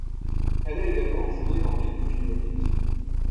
Elle a également joué dans quelques films hindi.